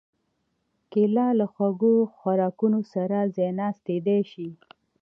کېله له خوږو خوراکونو سره ځایناستېدای شي.